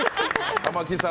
玉置さん